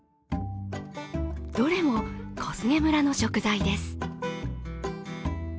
どれも小菅村の食材です。